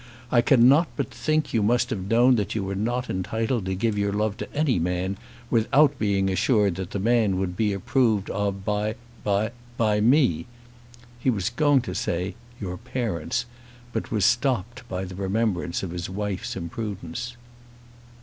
I cannot but think you must have known that you were not entitled to give your love to any man without being assured that the man would be approved of by by by me." He was going to say, "your parents," but was stopped by the remembrance of his wife's imprudence.